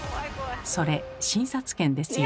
それ診察券ですよ。